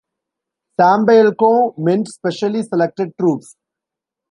Sambyeolcho meant specially selected troops.